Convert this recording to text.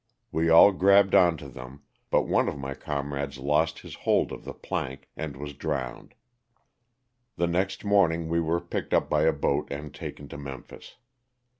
We all grabbed onto them, but one of my comrades lost his hold of the plank and was drowned. The next morning we were picked up by a boat and taken to Memphis.